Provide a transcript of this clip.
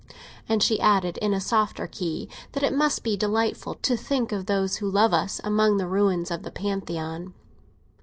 And she added, in a softer key, that it must be delightful to think of those who love us among the ruins of the Pantheon.